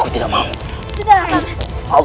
aku tidak mau ikut bersamamu lagi